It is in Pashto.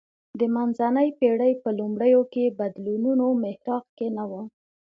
د منځنۍ پېړۍ په لومړیو کې بدلونونو محراق کې نه و